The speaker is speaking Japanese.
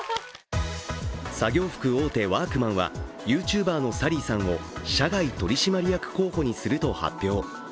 作業服大手ワークマンはＹｏｕＴｕｂｅｒのサリーさんを社外取締役候補にすると発表。